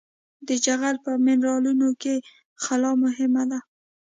د جغل په منرالونو کې خلا مهمه ده